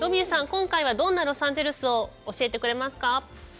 今回はどんなロサンゼルスを教えてくれますか？